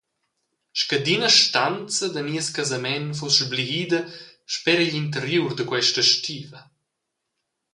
Scadina stanza da nies casament fuss sblihida sper igl interiur da questa stiva.